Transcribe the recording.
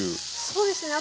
そうですね